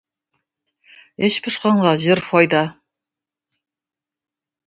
Эч пошканга җыр файда.